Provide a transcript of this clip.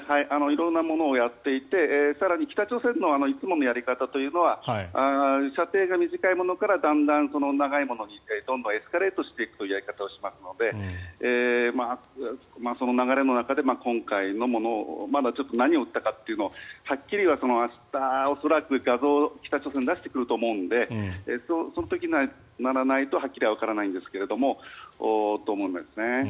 色んなものをやっていて更に北朝鮮のいつものやり方というのは射程が短いものからだんだん長いものにどんどんエスカレートしていくというやり方をしますのでその流れの中で今回のものまだちょっと何を撃ったかははっきりと明日、恐らく画像を北朝鮮、出してくると思うのでその時にならないとはっきりはわからないんですがと思いますね。